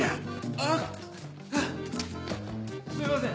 あっすいません